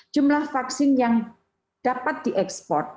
jumlah vaksin yang dapat diekspor